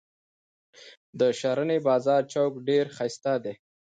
د شرنۍ د بازار چوک ډیر شایسته دي.